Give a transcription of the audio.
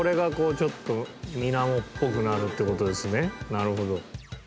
なるほど。